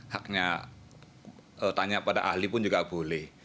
haknya tanya pada ahli pun juga boleh